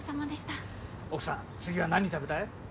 奥さん次は何食べたい？